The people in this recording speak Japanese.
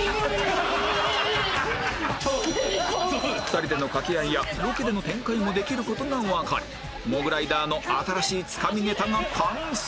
２人での掛け合いやロケでの展開もできる事がわかりモグライダーの新しいつかみネタが完成